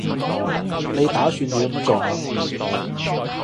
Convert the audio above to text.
你打算點樣做啊